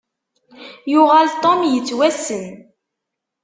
Yuɣal Tom yettwassen.